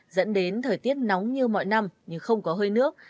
dẫn đến thời tiết nóng như mọi năm nhưng không có hơi nước